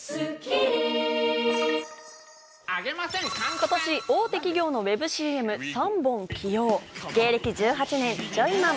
今年大手企業のウェブＣＭ３本起用、芸歴１８年ジョイマン。